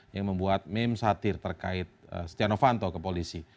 yang membuat meme satir terkait setia novanto ke polisi